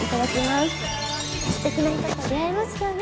すてきな人と出会えますように。